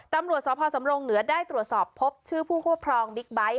ตำรวจสพสำรงเหนือได้ตรวจสอบพบชื่อผู้ครอบครองบิ๊กไบท์